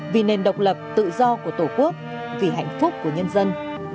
vì nền độc lập tự do của tổ quốc vì hạnh phúc của nhân dân